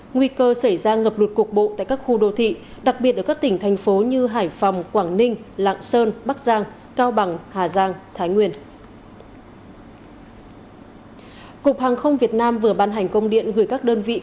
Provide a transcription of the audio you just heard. nguy cơ xảy ra ngập lụt cục bộ tại các khu đô thị đặc biệt ở các tỉnh thành phố như hải phòng quảng ninh lạng sơn bắc giang cao bằng hà giang thái nguyên